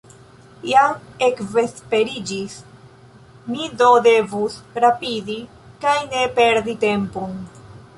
Jam ekvesperiĝis, mi do devus rapidi kaj ne perdi tempon.